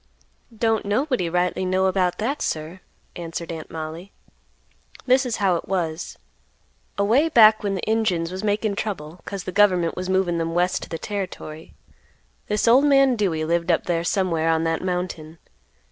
"Don't nobody rightly know about that, sir," answered Aunt Mollie. "This is how it was: away back when the Injuns was makin' trouble 'cause the government was movin' them west to the territory, this old man Dewey lived up there somewhere on that mountain.